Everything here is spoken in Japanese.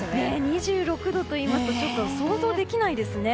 ２６度といいますとちょっと想像できないですね。